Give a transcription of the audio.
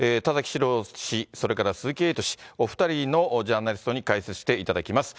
史郎氏、それから鈴木エイト氏、お２人のジャーナリストに解説していただきます。